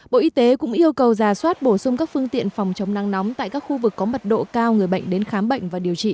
bộ y tế cũng yêu cầu giả soát bổ sung các phương tiện phòng chống năng nóng